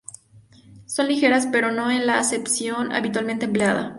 Son ligeras, pero no en la acepción habitualmente empleada.